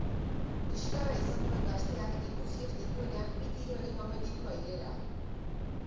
Liskarra izan duen gazteak ikusi ez dituenean bi tiro egin omen ditu airera.